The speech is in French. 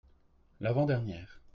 L’avant-dernière.